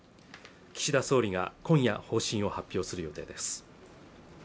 岸田総理が今夜方針を発表する予定です